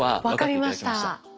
分かりました。